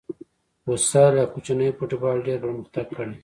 فوسال یا کوچنی فوټبال ډېر پرمختګ کړی.